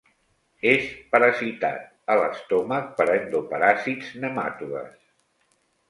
És parasitat, a l'estómac, per endoparàsits nematodes.